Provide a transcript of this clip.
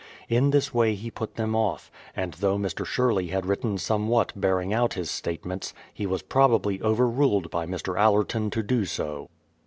In this way he put them off, and though Mr. Sherley had written somewhat bearing out his statements, he was probably over ruled by Mr. AUerton to do so.